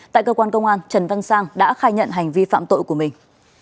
tại cơ quan công an trần văn sang đã khai nhận hành vi phạm tội của mình